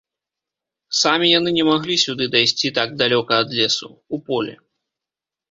Самі яны не маглі сюды дайсці так далёка ад лесу, у поле.